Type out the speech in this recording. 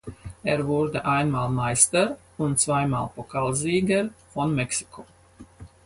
Er wurde einmal Meister und zweimal Pokalsieger von Mexiko.